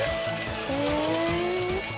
へえ。